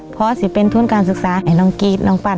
เพราะสิเป็นทุนการศึกษาให้น้องกรี๊ดน้องปัน